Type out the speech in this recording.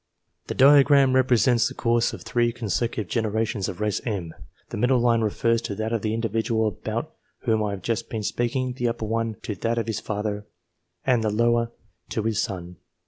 The diagram represents the course of three consecutive generations of race M : the middle line refers to that of the individual about whom I have just been speaking, the upper one to that of his father, arid the lower to his son.